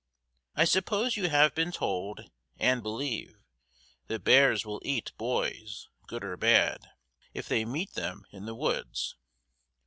I suppose you have been told, and believe, that bears will eat boys, good or bad, if they meet them in the woods.